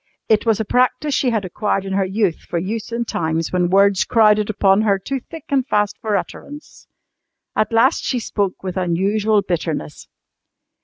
It was a practice she had acquired in her youth for use in times when words crowded upon her too thick and fast for utterance. At last she spoke with unusual bitterness.